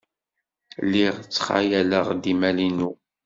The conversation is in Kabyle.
Lliɣ ttxayaleɣ-d imal-inu.